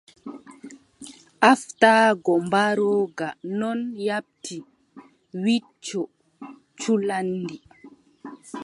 Haaftaago mbarooga non yaaɓti wicco culanndi.